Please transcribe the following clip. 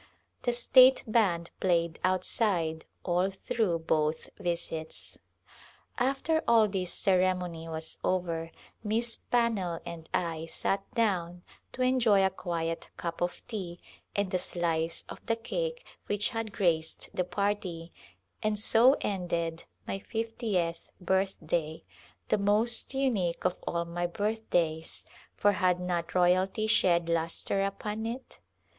The state band played outside all through both visits. After all this ceremony was over Miss Pannell and I sat down to enjoy a quiet cup of tea and a slice of the cake which had graced the party, and so ended my fiftieth birthday, the most unique of all my birth days, for had not royalty shed lustre upon it